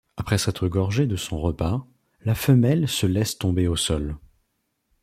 Après s'être gorgée de son repas, la femelle se laisse tomber au sol.